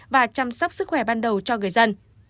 và chăm sóc sức khỏe ban đầu cho người dân